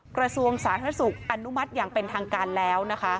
กระทรวงสาธารณสุขอนุมัติอย่างเป็นทางการแล้วนะคะ